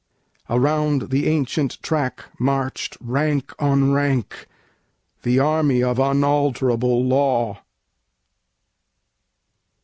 Around the ancient track march'd, rank on rank, The army of unalterable law.